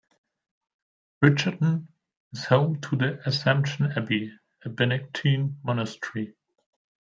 Richardton is home to the Assumption Abbey, a Benedictine Monastery.